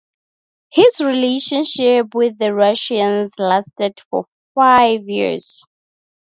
His relationship with the Russians lasted for five years.